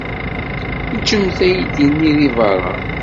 Ǧǧemt aydi-nni deg beṛṛa.